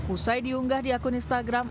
usai diunggah di akun instagram